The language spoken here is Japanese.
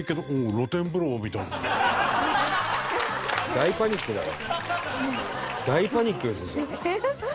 大パニックだろ。